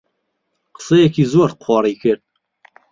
قسەیەکی زۆر قۆڕی کرد